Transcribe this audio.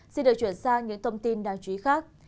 xin được chuyển sang những thông tin đáng chú ý khác